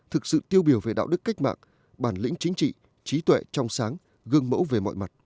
thực sự tiêu biểu về đạo đức cách mạng bản lĩnh chính trị trí tuệ trong sáng gương mẫu về mọi mặt